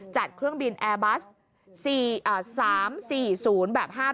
เครื่องบินแอร์บัส๓๔๐แบบ๕๘